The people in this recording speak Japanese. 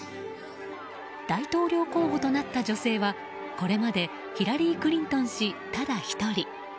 大統領候補となった女性はこれまでヒラリー・クリントン氏ただ１人。